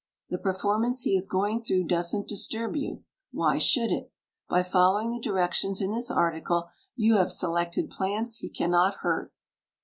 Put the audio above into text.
The performance he is going through doesn't disturb you. Why should it? By following the directions in this article you have selected plants he cannot hurt.